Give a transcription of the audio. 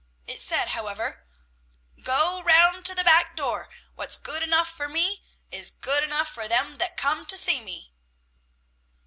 It said, however, "Go round to the back door! What's good enough for me, is good enough for them that come to see me!"